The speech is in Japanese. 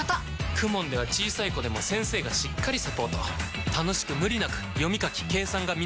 ＫＵＭＯＮ では小さい子でも先生がしっかりサポート楽しく無理なく読み書き計算が身につきます！